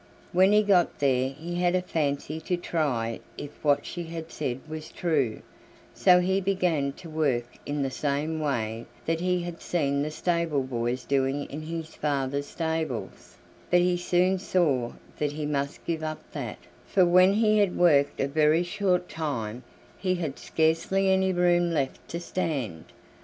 When he got there he had a fancy to try if what she had said were true, so he began to work in the same way that he had seen the stable boys doing in his father's stables, but he soon saw that he must give up that, for when he had worked a very short time he had scarcely any room left to stand.